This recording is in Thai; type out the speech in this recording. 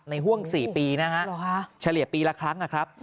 ห่วง๔ปีนะฮะเฉลี่ยปีละครั้งนะครับ